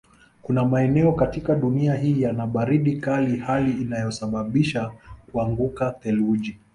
Kuna maeneo katika dunia hii yana baridi kali hali inayosabisha kuanguka theluji